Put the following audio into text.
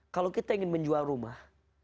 kalau kita ingin menjual rumah